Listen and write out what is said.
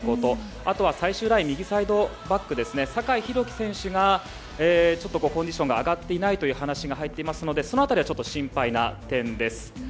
あとは、最終ライン右サイドバックの酒井宏樹選手がちょっと、コンディションが上がっていないという話が入っていますのでその辺りはちょっと心配な点です。